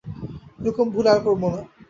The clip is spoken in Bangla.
এ রকম ভুল আর করব না।